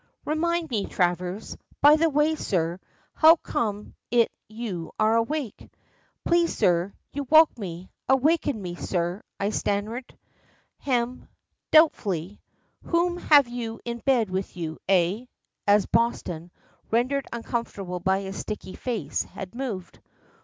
Remind me, Travers. By the way, sir, how comes it you are awake?" "Please, sir, you woke me awakened me, sir," I stammered. "Hem," doubtfully. "Whom have you in bed with you eh?" as Boston, rendered uncomfortable by his sticky face, had moved.